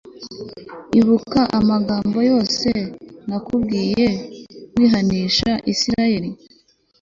ibuka amagambo yose nakubwiye nguhanisha isirayeli